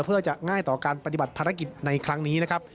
เพื่อจะง่ายต่อการปฏิบัติภารกิจในครั้งนี้นะครับ